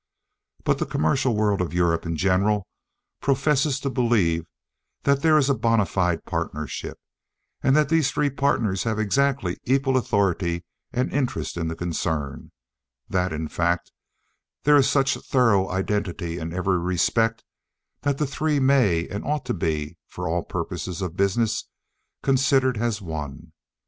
—But the commercial world of Europe, in general, professes to believe that there is a bona fide partnership, and that the three partners have exactly equal authority and interest in the concern; that, in fact, there is such thorough identity in every respect that the three may, and ought to be, for all purposes of business, considered as one.